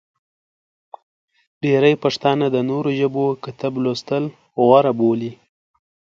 ډېری پښتانه د نورو ژبو کتب لوستل غوره بولي.